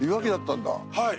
はい。